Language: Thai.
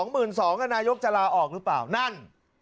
หวังว่านายกจะลาออกหรือเปล่านั่น